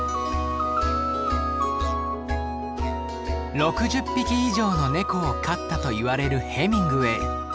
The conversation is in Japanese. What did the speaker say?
６０匹以上のネコを飼ったといわれるヘミングウェイ。